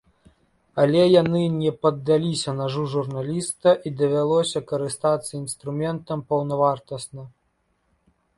Але яны не паддаліся нажу журналіста і давялося карыстацца інструментам паўнавартасна.